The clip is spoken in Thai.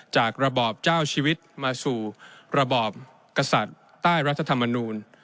ระบอบเจ้าชีวิตมาสู่ระบอบกษัตริย์ใต้รัฐธรรมนูล